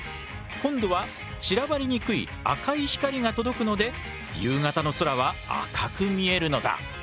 今度は散らばりにくい赤い光が届くので夕方の空は赤く見えるのだ。